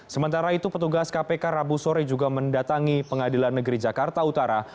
sementara itu petugas kpk rabu sore juga mendatangi pengadilan negeri jakarta utara